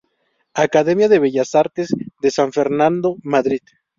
Academia de Bellas Artes de San Fernando, Madrid.